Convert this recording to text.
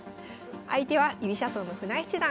相手は居飛車党の船江七段。